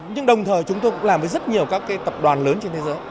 nhưng đồng thời chúng tôi cũng làm với rất nhiều các tập đoàn lớn trên thế giới